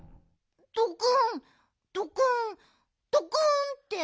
ドクンドクンドクンって。